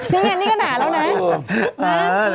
นี่ไงนี่ก็หนาแล้วนะ